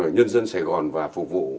nhân dân sài gòn và phục vụ